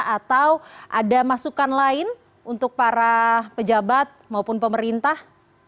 atau ada masukan lain untuk para pejabat maupun pemerintah